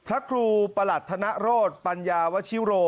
พระครูประหลัดธนโรธปัญญาวชิโร